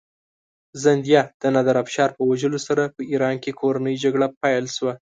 زندیه د نادرافشار په وژلو سره په ایران کې کورنۍ جګړه پیل شوه.